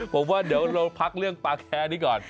ผมว่าเดี๋ยวเราพักเรื่องปลาแคร์นี้ก่อน